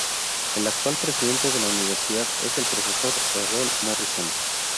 El actual presidente de la universidad es el profesor Errol Morrison.